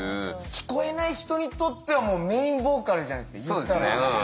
聞こえない人にとってはもうメインボーカルじゃないですか。